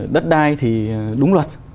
đất đai thì đúng luật